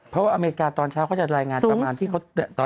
เพราะว่าอเมริกาตอนเช้าเขาจะรายงานประมาณที่เขา